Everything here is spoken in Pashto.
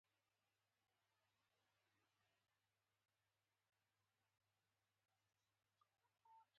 علم د انساني شخصیت خواړه دي.